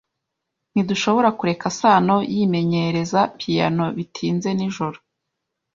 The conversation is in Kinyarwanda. Ntidushobora kureka Sano yimenyereza piyano bitinze nijoro.